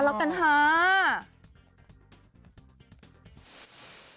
เราเป็นคนถ่าย